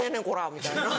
みたいな。